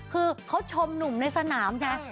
คือเขาชมหนุ่มในสนามไง